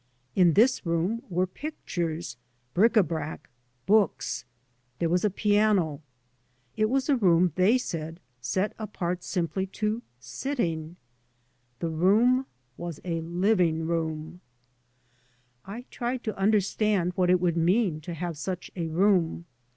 In this room were pictures, bric a brac, books. There was a piano. It was a room, they said, set apart simply to '* sitting.'* 3 by Google MY MOTHER AND I The room was a Itvlng room. I tried to understand what it would mean to have such a room.